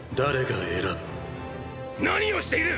何をしている！